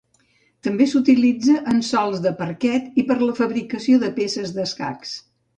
També s'utilitza en sòls de parquet i per a la fabricació de peces d'escacs.